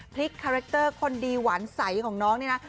คาแรคเตอร์คนดีหวานใสของน้องนี่นะ